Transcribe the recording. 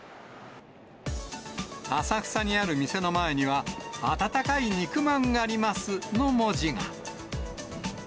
浅草にある店の前には、温かい肉まんありますの文字が。